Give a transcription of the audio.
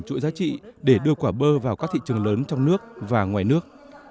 chuỗi giá trị để đưa quả bơ vào các thị trường lớn trong nước và ngoài nước